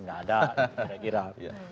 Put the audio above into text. tidak ada kira kira